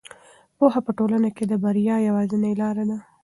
پوهه په ټولنه کې د بریا یوازینۍ لاره ده.